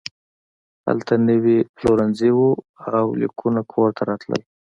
هلته نوي پلورنځي وو او لیکونه کور ته راتلل